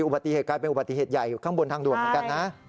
อุบัติเหตุกลายเป็นอุบัติเหตุใหญ่อยู่ข้างบนทางด่วนเหมือนกันนะ